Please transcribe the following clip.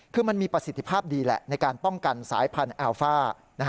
คือมันมีประสิทธิภาพดีแหละในการป้องกันสายพันธุ์แอลฟ่า